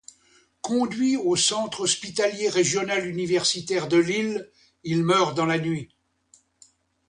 Conduit au centre hospitalier régional universitaire de Lille, il meurt dans la nuit.